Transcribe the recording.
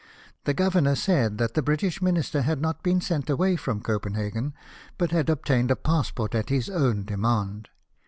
The governor said that the British minister had not been sent away from Copenhagen, but had obtained a passport at his own demand.